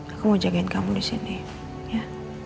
aku mau jagain kamu disini ya